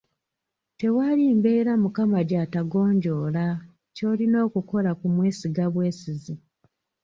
Tewali mbeera mukama gy'atagonjoola, ky’olina okukola kumwesiga bwesizi.